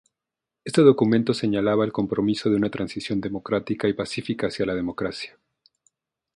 Este documento señalaba el compromiso de una transición democrática y pacífica hacia la democracia.